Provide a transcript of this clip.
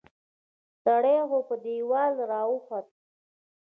سړی خو په دیوال را واوښت